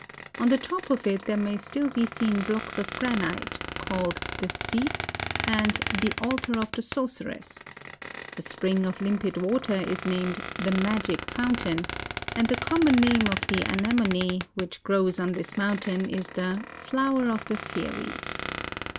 On the top of it there may , still be seen blocks of granite, called the Seat and the Altar of the Sorceress; a spring of limpid water is named the Magic Foun¬ tain ; and the common name of the anemone which grows on this mountain is the flower of the fairies.